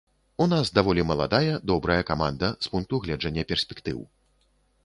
У нас даволі маладая, добрая каманда з пункту гледжання перспектыў.